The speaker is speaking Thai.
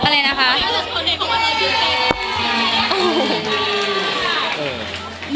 เพลงนั้นที่คนเลือก